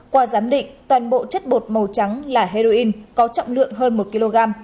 qua giám định toàn bộ chất bột màu trắng là heroin có trọng lượng hơn một kg